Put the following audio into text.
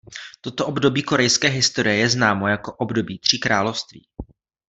Toto období korejské historie je známo jako období Tří království.